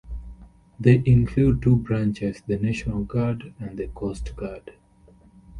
They include two branches, the National Guard and the Coast Guard.